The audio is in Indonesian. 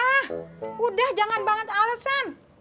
ah udah jangan banget alasan